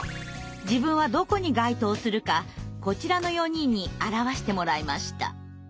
自分はどこに該当するかこちらの４人に表してもらいました。